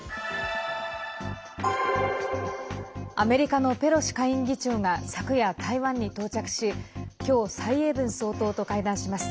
アメリカのペロシ下院議長が昨夜、台湾に到着し今日、蔡英文総統と会談します。